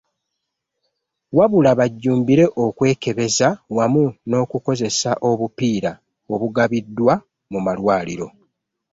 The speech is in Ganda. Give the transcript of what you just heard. Wabula bajjumbire okwekebeza wamu n'okukozesa obupiira obugabiddwa mu malwaliro.